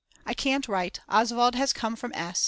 I can't write, Oswald has come from S.